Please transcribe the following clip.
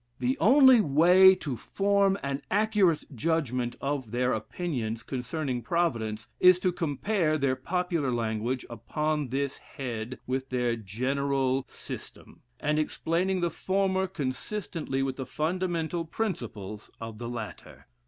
The only way to form an accurate judgment of their opinions concerning Providence, is to compare their popular language upon this head with their general system, and explain the former consistently with the fundamental principles of the latter.